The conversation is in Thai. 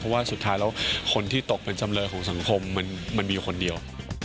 เพราะว่าสุดท้ายแล้วคนที่ตกเป็นจำเลยของสังคมมันมีอยู่คนเดียว